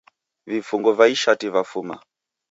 Vifunguo va ishati vafuma